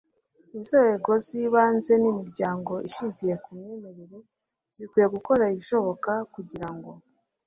inzego z ibanze n imiryango ishingiye ku myemerere zikwiye gukora ibishoboka kugira ngo